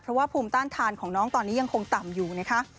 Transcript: เพราะว่าภูมิต้านทานของน้องตอนนี้ยังคงต่ำอยู่นะคะ